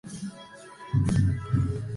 Eso es poder.